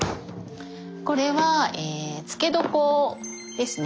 これは漬け床ですね。